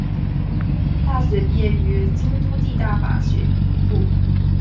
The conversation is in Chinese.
大学毕业于京都帝大法学部。